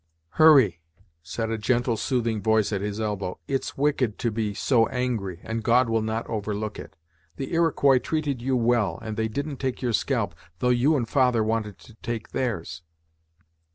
"Hurry," said a gentle, soothing voice at his elbow, "it's wicked to be so angry, and God will not overlook it. The Iroquois treated you well, and they didn't take your scalp, though you and father wanted to take theirs."